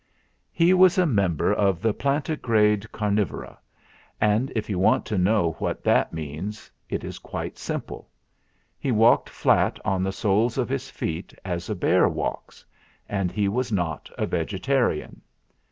He was a member of the Plantigrade Car nivora; and if you want to know what that means, it is quite simple. He walked flat on the soles of his feet, as a bear walks, and he was not a vegetarian.